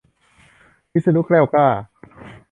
วิศิษฎ์ แกล้วกล้า